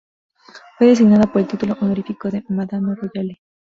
Fue designada por el título honorífico de Madame Royale.